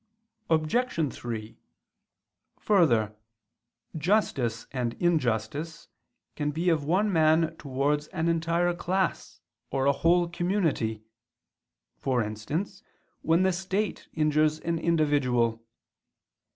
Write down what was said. Obj. 3: Further, justice and injustice can be of one man towards an entire class, or a whole community: for instance, when the state injures an individual.